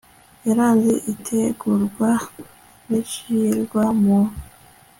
yaranze itegurwa n ishyirwa mu